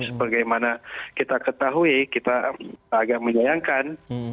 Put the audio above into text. sebagaimana kita ketahui kita agak menyayangkan